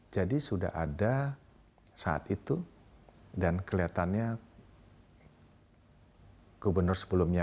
jadi sudah ada saat itu dan kelihatannya gubernur sebelumnya